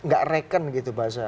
gak reken gitu bahasa